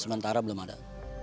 sementara belum ada